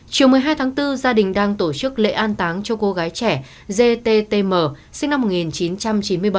chiều một mươi hai tháng bốn gia đình đang tổ chức lễ an táng cho cô gái trẻ gttm sinh năm một nghìn chín trăm chín mươi bảy